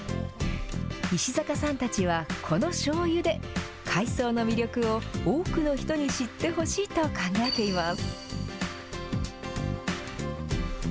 石坂さんたちは、このしょうゆで、海藻の魅力を多くの人に知ってほしいと考えています。